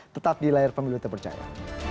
tetap di layar pemilu terpercaya